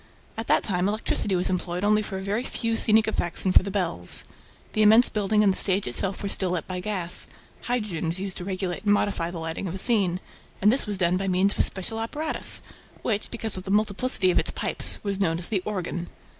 At that time, electricity was employed only for a very few scenic effects and for the bells. The immense building and the stage itself were still lit by gas; hydrogen was used to regulate and modify the lighting of a scene; and this was done by means of a special apparatus which, because of the multiplicity of its pipes, was known as the "organ."